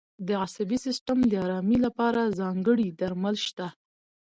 د عصبي سیستم د آرامۍ لپاره ځانګړي درمل شته.